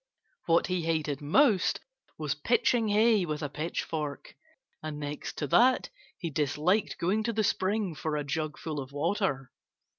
What he hated most was pitching hay with a pitchfork. And next to that, he disliked going to the spring for a jugful of water.